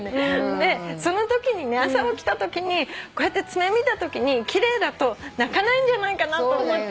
でそのときにね朝起きたときにこうやって爪見たときに奇麗だと泣かないんじゃないかなと思って。